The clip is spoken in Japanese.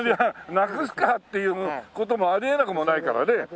なくすかっていう事もあり得なくもないからね。